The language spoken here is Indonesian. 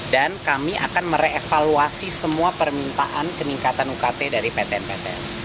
dan kami akan merevaluasi semua permintaan peningkatan ukt dari batn batn